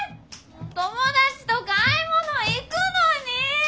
友達と買い物行くのにィ！